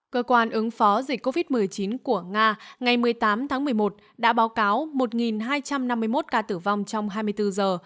cơ quan ứng phó dịch covid một mươi chín của nga ngày một mươi tám tháng một mươi một đã báo cáo một hai trăm năm mươi một ca tử vong trong hai mươi bốn giờ